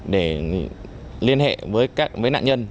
để liên hệ với nạn nhân